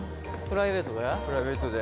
玉森：プライベートで。